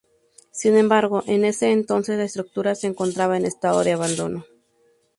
Sin embargo, en ese entonces la estructura se encontraba en estado de abandono.